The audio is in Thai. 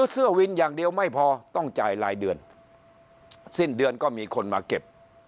สิ้นเดือนก็มีคนมาเก็บ